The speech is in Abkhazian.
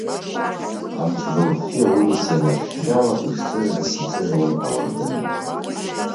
Амҿбылфҩы аулица ианыршәшәала, ишҿыжц иҿыжуан ауардын.